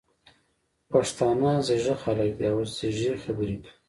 پښتانه ځيږه خلګ دي او ځیږې خبري کوي.